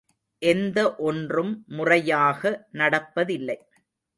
எந்த ஒன்றும் முறையாக நடப்பதில்லை.